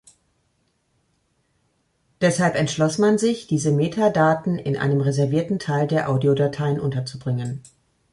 Deshalb entschloss man sich, diese Metadaten in einem reservierten Teil der Audiodateien unterzubringen.